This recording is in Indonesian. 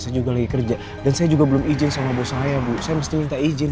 saya juga lagi kerja dan saya juga belum izin sama bu saya bu saya mesti minta izin